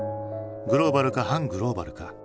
グローバルか反グローバルか。